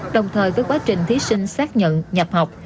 đồng thời với quá trình thí sinh xác nhận nhập học